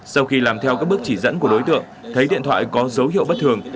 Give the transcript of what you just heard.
sau khi làm theo các bước chỉ dẫn của đối tượng thấy điện thoại có dấu hiệu bất thường